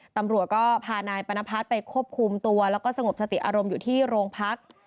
ตำรวจก็พานายปรณพัฒน์ไปควบคุมตัวแล้วก็สงบสติอารมณ์อยู่ที่โรงพัก